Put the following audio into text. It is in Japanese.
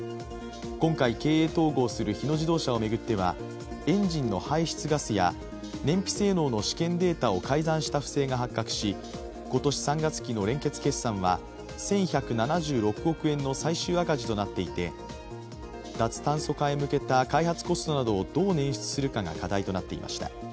今回、経営統合する日野自動車を巡ってはエンジンの排出ガスや燃費性能の試験データを改ざんした不正が発覚し今年３月期の連結決算は１１７６億円の最終赤字となっていて脱炭素化へ向けた開発コストをどう捻出するかが課題となっていました。